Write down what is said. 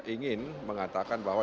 ingin mengatakan bahwa